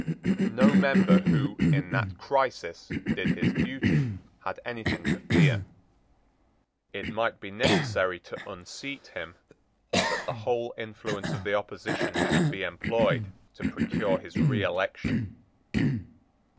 No member who, in that crisis, did his duty had anything to fear. It might be necessary to unseat him; but the whole influence of the opposition should be employed to procure his reelection.